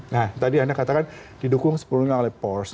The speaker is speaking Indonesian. nah tadi anda katakan didukung sepenuhnya oleh pors